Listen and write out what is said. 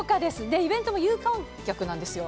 イベントも有観客なんですよ。